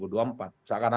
kenapa saya bertanya demikian